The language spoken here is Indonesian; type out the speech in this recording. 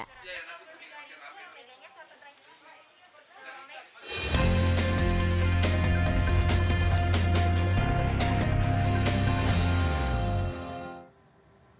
tim liputan cnn indonesia